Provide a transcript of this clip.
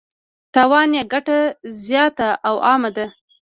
تاوان یې ګټه زیاته او عامه ده.